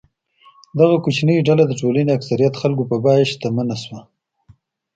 دغه کوچنۍ ډله د ټولنې اکثریت خلکو په بیه شتمنه شوې ده.